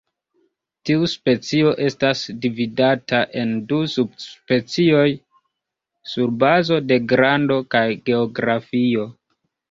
Tiu specio estas dividata en du subspecioj sur bazo de grando kaj geografio.